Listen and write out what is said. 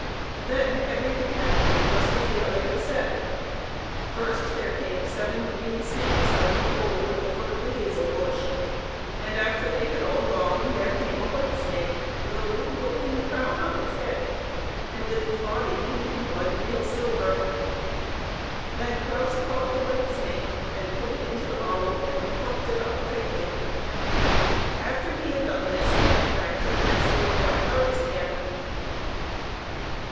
Then everything happened just as the other had said: first there came three green snakes out of the hole at the foot of the hazel bush, and after they had all gone, there came a white snake, with a little golden crown on its head, and with its body gleaming like real silver. Then Claus caught the white snake, and put it into the bottle and corked it up tightly. After he had done this he went back to the master of black arts again.